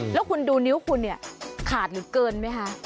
แล้วคุณดูนิ้วคุณเนี่ยขาดเหลือเกินไหมคะ